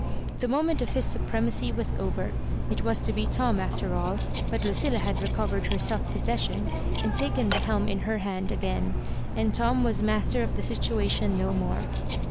The moment of his supremacy was over. It was to be Tom after all ; but Lucilla had recovered her self possession, and taken the helm in her hand again, and Tom was master of the situation no more.